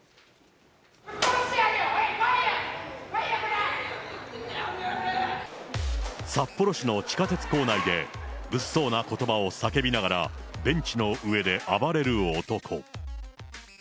ぶっ殺してやるよ、札幌市の地下鉄構内で、物騒なことばを叫びながらベンチの上で暴れる男。